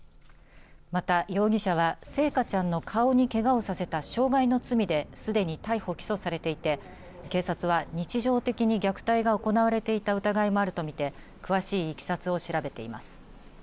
また容疑者は星華ちゃんの顔にけがをさせた傷害の罪ですでに逮捕、起訴されていて警察は日常的に虐待が行われていた疑いもあると見て詳しいいきさつを調べています。